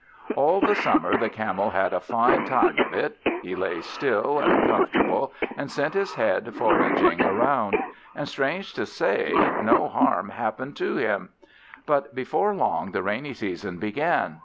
All the summer the Camel had a fine time of it; he lay still and comfortable and sent his head foraging around, and strange to say, no harm happened to him. But before long the rainy season began.